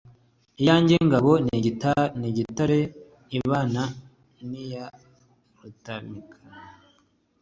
Iyanjye ngabo ni igitare ibana n’iya Rutambikamugabo.